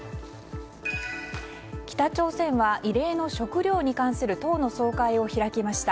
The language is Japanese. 北朝鮮は、異例の食糧に関する党の総会を開きました。